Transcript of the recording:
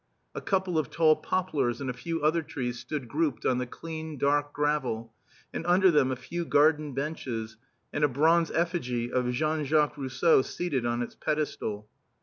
A couple of tall poplars and a few other trees stood grouped on the clean, dark gravel, and under them a few garden benches and a bronze effigy of Jean Jacques Rousseau seated on its pedestal.